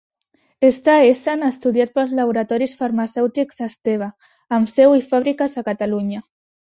Està essent estudiat pels laboratoris farmacèutics Esteve, amb seu i fàbriques a Catalunya.